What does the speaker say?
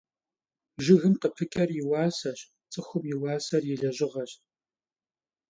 Jjıgım khıpıç'er yi vuaseş, ts'ıxum yi vuaser yi lejığeş.